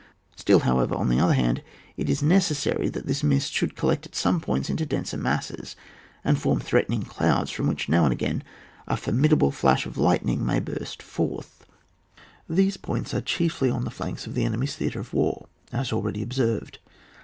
Still, however, on the other hand, it is necessary that this mist should collect at some points into denser masses, and form threatening clouds from which now and again a formidable flash of lightning mcyr burst forth. 176 ON ITAR. [book VI. These points are chiefly on the flanks of the enemy's theatre of war, as already observed.